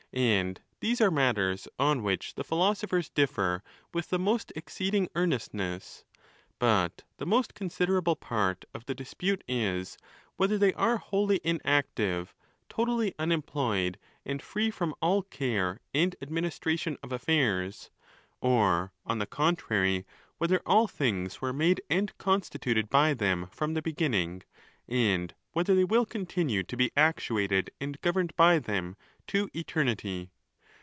And these are matters on which the philosophers diffef with the most exceeding earnestness. But the most con siderable part of th'e dispute is, whether they are wholly inactive, totally unemployed, and free from all care and administration of affairs ; or, on the contrary, whether all things were made and constituted by them from the begin ning; and whether they will continue to be actuated and governed by them to eternity.